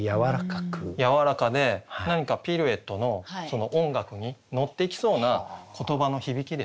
やわらかで何かピルエットのその音楽に乗っていきそうな言葉の響きですよね。